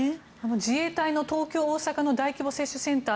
自衛隊の東京、大阪の大規模接種センター